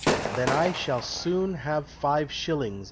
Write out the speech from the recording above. "Then I shall soon have five shillings!"